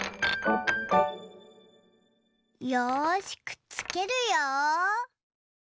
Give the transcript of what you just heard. よしくっつけるよ。